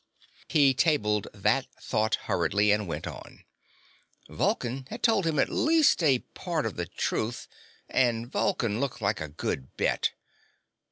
_ He tabled that thought hurriedly and went on. Vulcan had told him at least a part of the truth, and Vulcan looked like a good bet.